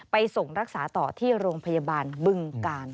ไปส่งรักษาต่อที่โรงพยาบาลบึงกาล